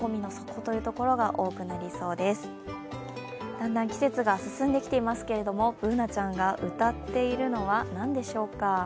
だんだん季節が進んできていますけどＢｏｏｎａちゃんが歌っているのは何でしょうか。